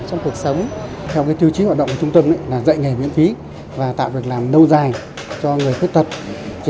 bình bình có thể tìm được đúng địa chỉ để đưa được những phần quà đó là những đôi chân mới cho những người khuyết tật vận động để họ có thể đi tham khảo